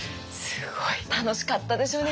すごい。楽しかったでしょうね